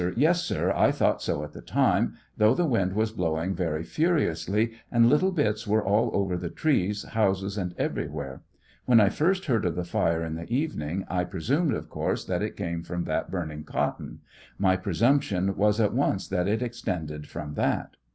Tea, sir ; 1 thought so at the time, though the wind was blowing very furiously, and little bits were all over the trees, houses, and everywhere ; when I first heard of the fire in the evening, I presumed, of course, that it came from that burning cotton ; my presump tion was at once that it extended from that.